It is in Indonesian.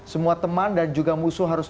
semua teman dan juga musuh harus